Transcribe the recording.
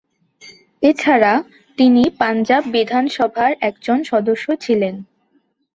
এছাড়া, তিনি পাঞ্জাব বিধানসভার একজন সদস্য ছিলেন।